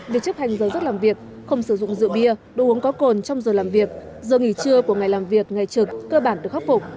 việc chấp hành giờ rất làm việc không sử dụng rượu bia đồ uống có cồn trong giờ làm việc giờ nghỉ trưa của ngày làm việc ngày trực cơ bản được khắc phục